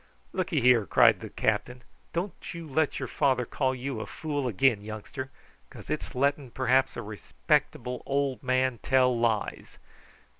"Look'ye here," cried the captain, "don't you let your father call you fool again, youngster, because it's letting perhaps a respectable old man tell lies.